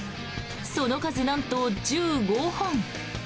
その数なんと１５本。